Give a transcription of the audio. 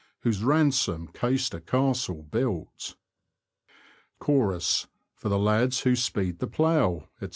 Whose ransom Caister Castle built. || Chorus :— For the lads who speed the plough, &c.